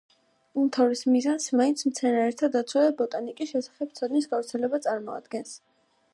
უმთავრეს მიზანს მაინც, მცენარეთა დაცვა და ბოტანიკის შესახებ ცოდნის გავრცელება წარმოადგენს.